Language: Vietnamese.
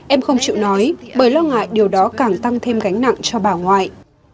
em không chịu nói bởi lo ngại điều đó càng tăng thêm gánh nặng cho bà ngoại